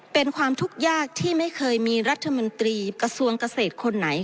เป็นความทุกข์ยากที่ไม่เคยมีรัฐมนตรีกระทรวงเกษตรคนไหน